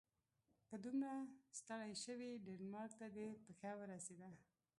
که دومره ستړی شوې ډنمارک ته دې پښه ورسیده.